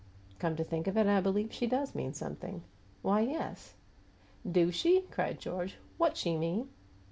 "Come to think of it, I believe she does mean something. Why, yes " "Do she?" cried George. "WHAT she mean?"